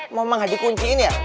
mau menghadik kunciin ya